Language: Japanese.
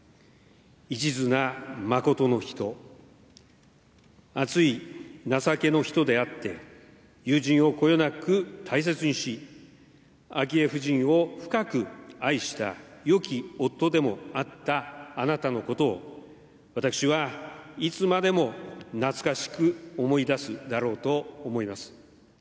一途な誠の人、熱い情けの人であって、友人をこよなく大切にし、昭恵夫人を深く愛したよき夫でもあったあなたのことを、私はいつまでも懐かしく思い出すだろうと思います。